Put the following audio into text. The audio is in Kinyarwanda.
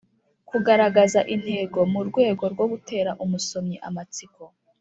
kugaragaza intego mu rwego rwo gutera umusomyi amatsiko